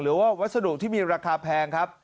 หรือว่าวัสดุที่มีราคาแพงครับ